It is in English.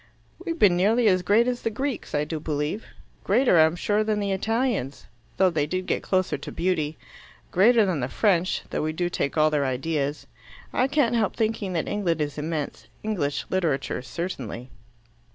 "We've been nearly as great as the Greeks, I do believe. Greater, I'm sure, than the Italians, though they did get closer to beauty. Greater than the French, though we do take all their ideas. I can't help thinking that England is immense. English literature certainly."